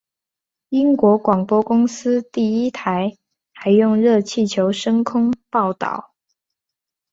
英国广播公司第一台还用热气球升空报导。